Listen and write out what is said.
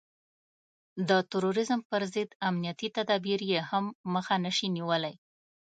د تروريزم پر ضد امنيتي تدابير يې هم مخه نشي نيولای.